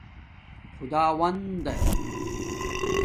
خُداوند